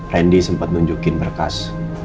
rendy sempet nunjukin bekas